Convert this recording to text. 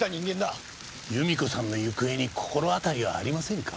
由美子さんの行方に心当たりはありませんか？